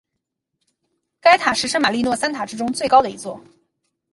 该塔是圣马利诺三塔之中最高的一座。